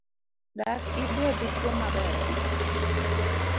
Dak ibed dichuo maber?